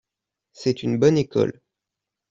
C'est une bonne école.